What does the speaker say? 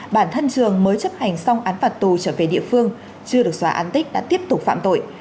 bản thân trường mới chấp hành xong án phạt tù trở về địa phương chưa được xóa án tích đã tiếp tục phạm tội